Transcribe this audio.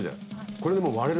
これでもう。